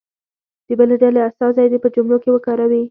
د بلې ډلې استازی دې په جملو کې وکاروي.